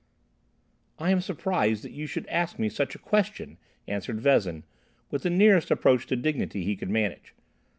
"I am surprised that you should ask me such a question," answered Vezin, with the nearest approach to dignity he could manage.